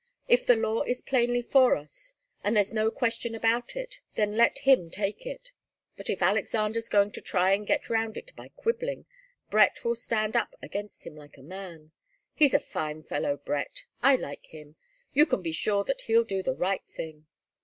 If the law is plainly for us, and there's no question about it, then let him take it. But if Alexander's going to try and get round it by quibbling, Brett will stand up against him like a man. He's a fine fellow, Brett. I like him. You can be sure that he'll do the right thing."